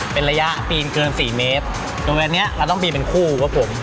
เป็นระยะปีนเกินสี่เมตรโรงเรียนเนี้ยเราต้องปีนเป็นคู่ครับผม